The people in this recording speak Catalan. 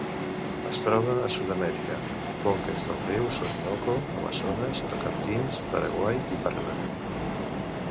Es troba a Sud-amèrica: conques dels rius Orinoco, Amazones, Tocantins, Paraguai i Paranà.